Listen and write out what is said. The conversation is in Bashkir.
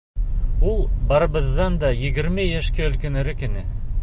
Ул барыбыҙҙан да егерме йәшкә өлкәнерәк ине.